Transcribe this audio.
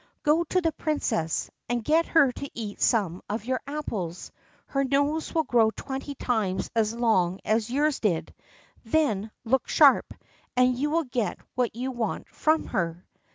Go to the princess, and get her to eat some of your apples; her nose will grow twenty times as long as yours did: then look sharp, and you will get what you want from her."